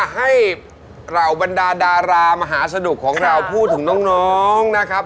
เหล่าบรรดาดารามหาสนุกของเราพูดถึงน้องนะครับ